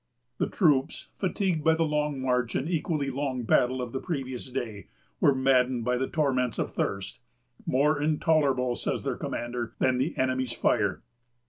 The troops, fatigued by the long march and equally long battle of the previous day, were maddened by the torments of thirst, "more intolerable," says their commander, "than the enemy's fire."